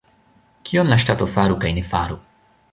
Kion la ŝtato faru kaj ne faru?